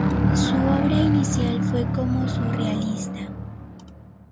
Su obra inicial fue como surrealista.